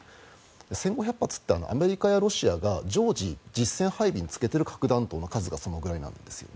１５００発ってアメリカやロシアが常時、実戦配備につけている核弾頭の数がそれくらいなんですね。